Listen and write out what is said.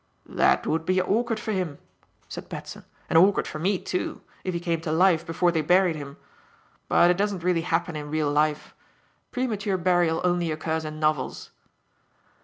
"That would be awkward for him," said Batson, "and awkward for me, too, if he came to life before they buried him. But it doesn't really happen in real life. Premature burial only occurs in novels."